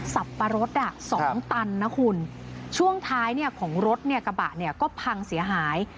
สับปะรถสองตันนะคุณช่วงท้ายของรถกระบะก็พังเสียหาย